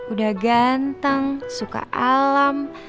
udah ganteng suka alam